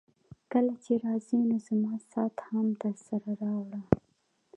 کله چي راځې نو زما ساعت هم درسره راوړه.